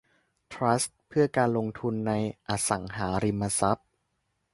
ทรัสต์เพื่อการลงทุนในอสังหาริมทรัพย์